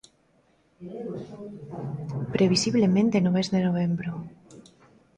¡Previsiblemente no mes de novembro!